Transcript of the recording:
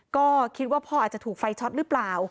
ก็คิดว่าพ่ออาจจะถูกไฟช็อตหรือเปล่า